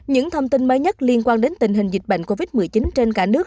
những thông tin mới nhất liên quan đến tình hình dịch bệnh covid một mươi chín trên cả nước